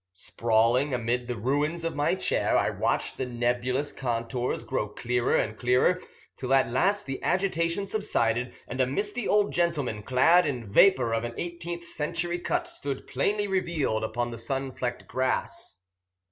Sprawling amid the ruins of my chair, I watched the nebulous contours grow clearer and clearer, till at last the agitation subsided, and a misty old gentleman, clad in vapour of an eighteenth century cut, stood plainly revealed upon the sun flecked grass.